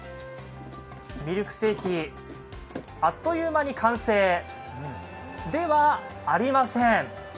ミルクセーキあっという間に完成ではありません。